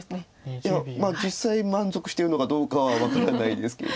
いや実際満足してるのかどうかは分からないですけど。